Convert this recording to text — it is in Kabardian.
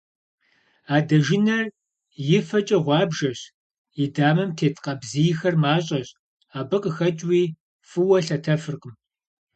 Адэжынэр и фэкӏэ гъуабжэщ, и дамэм тет къабзийхэр мащӏэщ, абы къыхэкӏууи фӏыуэ лъэтэфыркъым.